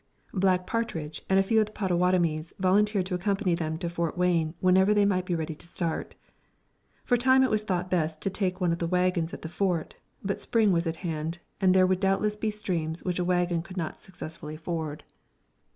Black Partridge and a few of the Pottawattomies volunteered to accompany them to Fort Wayne whenever they might be ready to start. For a time it was thought best to take one of the waggons at the Fort; but Spring was at hand, and there would doubtless be streams which a waggon could not successfully ford.